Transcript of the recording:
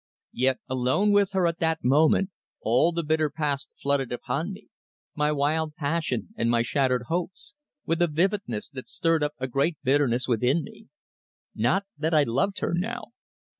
Yet alone with her at that moment all the bitter past flooded upon me, my wild passion and my shattered hopes, with a vividness that stirred up a great bitterness within me. Not that I loved her now.